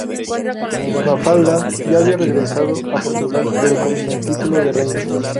Mafalda ya había regresado a Portugal pero con el título de reina.